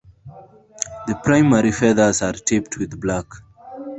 The primary feathers are tipped with black.